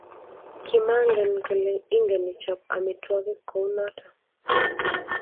kimangen kole ingen ichop amitwogik kunoto